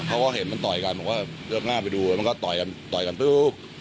เขาก็เห็นมันต่อยกันผมก็เลือกหน้าไปดูมันก็ต่อยกันต่อยกันปุ๊บ